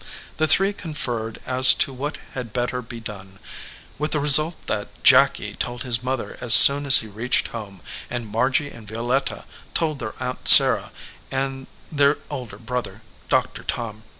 The three conferred as to what had better be done, with the result that Jacky told his mother as soon as he reached home, and Margy and Violetta told their aunt Sarah and their older brother, Doctor Tom.